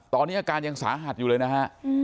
ตอนนี้อาการยังสาหัสอยู่เลยนะฮะ